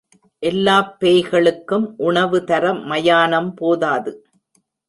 எல்லாப் பேய்களுக்கும் உணவு தர மயானம் போதாது.